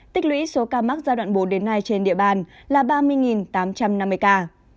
tích lũy số ca mắc giai đoạn bốn đến nay trên địa bàn là ba mươi tám trăm năm mươi ca